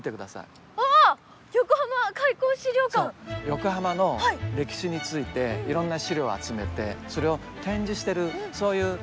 横浜の歴史についていろんな資料を集めてそれを展示してるそういう博物館なんです。